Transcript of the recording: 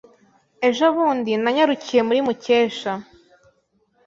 Ejo bundi, nanyarukiye muri Mukesha.